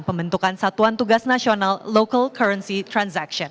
pembentukan satuan tugas nasional local currency transaction